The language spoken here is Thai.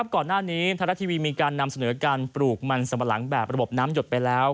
ก่อนหน้านี้ไทยรัฐทีวีมีการนำเสนอการปลูกมันสัมปะหลังแบบระบบน้ำหยดไปแล้ว